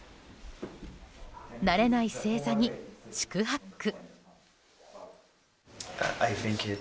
慣れない正座に四苦八苦。